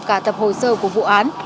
cả tập hồ sơ của vụ án